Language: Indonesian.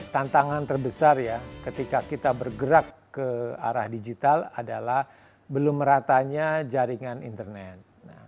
tantangan terbesar ya ketika kita bergerak ke arah digital adalah belum meratanya jaringan internet